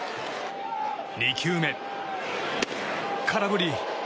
２球目、空振り。